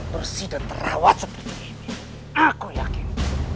bersih dan terawat seperti ini aku yakin